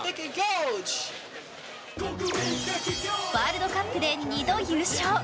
ワールドカップで２度優勝！